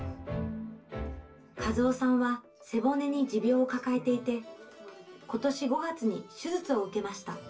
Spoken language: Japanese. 一夫さんは背骨に持病を抱えていて、ことし５月に手術を受けました。